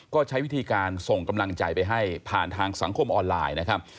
ก็ใช้วิธีการส่งกำลังใจไปให้ผ่านทางสังคมออนไลน์นะครับ